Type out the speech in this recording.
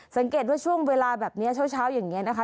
สังเกตว่าช่วงเวลาแบบนี้เช้าอย่างนี้นะคะ